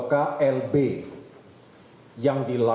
di situ anda boleh terhebimbang oleh saya